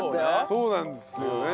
そうなんですよね。